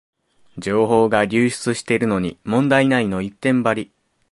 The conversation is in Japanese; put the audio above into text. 情報が流出してるのに問題ないの一点張り